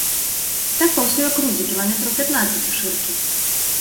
І так па ўсёй акрузе кіламетраў пятнаццаць ушыркі.